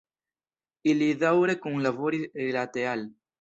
Ili daŭre kunlaboris rilate al.